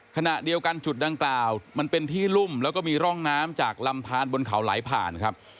ขณะเดียวกันจุดดังกล่าวมันเป็นที่รุ่มแล้วก็มีร่องน้ำจากลำทานบนเขาไหลผ่านครับ